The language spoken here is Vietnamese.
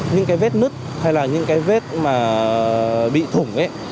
những cái vết nứt hay là những cái vết mà bị thủng ấy